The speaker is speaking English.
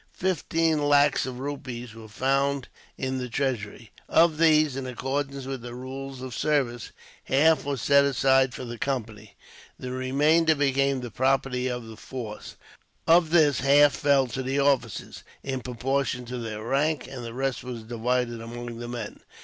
Fifteen lacs of rupees were found in the treasury. Of these, in accordance with the rules of the service, half was set aside for the Company, the remainder became the property of the force. Of this half fell to the officers, in proportion to their rank, and the rest was divided among the men.